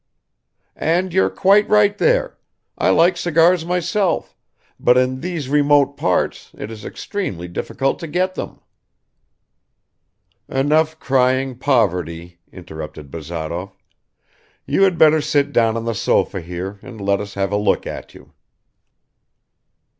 "And you're quite right there. I like cigars myself, but in these remote parts it is extremely difficult to get them." "Enough crying poverty," interrupted Bazarov. "You had better sit down on the sofa here and let us have a look at you."